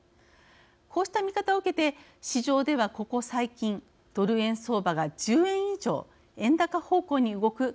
こうした見方を受けて市場ではここ最近ドル円相場が１０円以上円高方向に動く形になりました。